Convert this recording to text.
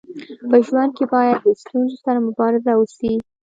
په ژوند کي باید د ستونزو سره مبارزه وسي.